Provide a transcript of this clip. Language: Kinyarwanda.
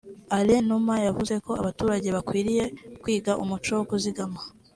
Alain Numa yavuze ko abaturage bakwiriye kwiga umuco wo kuzigama